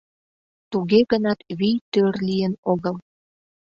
Туге гынат вий тӧр лийын огыл.